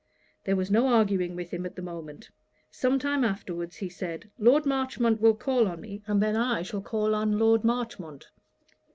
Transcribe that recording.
There was no arguing with him at the moment. Some time afterwards he said, 'Lord Marchmont will call on me, and then I shall call on Lord Marchmont.'